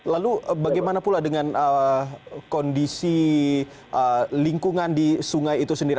lalu bagaimana pula dengan kondisi lingkungan di sungai itu sendiri